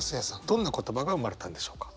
どんな言葉が生まれたんでしょうか？